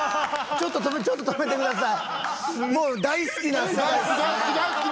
ちょっと止めてください！